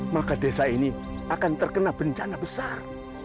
maka desa ini akan terkena bencana besar